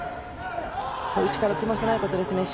内から組ませないことですね。